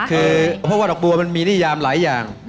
คือเพราะว่าดอกบัวมันมีนิยามหลายอย่าง